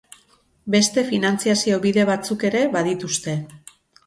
Beste finantziazio-bide batzuk ere badituzte.